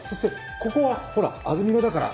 ここは安曇野だから。